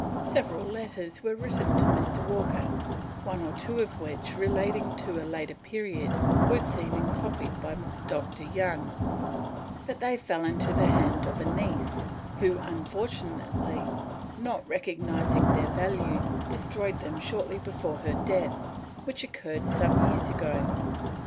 Several letters were written to Mr. Walker, one or two of which relating to a later period were seen and copied by Dr. Young, but they fell into the hand of a niece, who unfortunately, not recognising their value, destroyed them shortly before her death, which occurred some years ago.